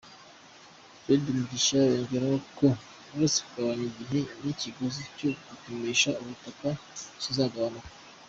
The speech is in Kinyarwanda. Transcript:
Fred Mugisha, yongeraho ko uretse kugabanya igihe n’ikiguzi cyo gupimisha ubutaka kizagabanuka.